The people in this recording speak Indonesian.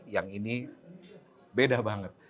yang ini beda banget